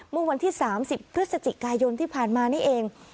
เมื่อวันที่๓๐พฤศจิกายนที่ผ่านมานี่เอง